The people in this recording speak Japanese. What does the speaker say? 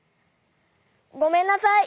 ごめんなさい。